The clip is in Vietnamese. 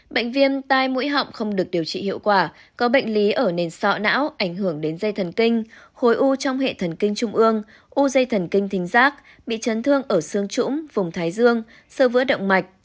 bệnh viêm tai mũi họng không được điều trị hiệu quả có bệnh lý ở nền sọ não ảnh hưởng đến dây thần kinh khối u trong hệ thần kinh trung ương u dây thần kinh giác bị chấn thương ở xương trũng vùng thái dương sơ vữa động mạch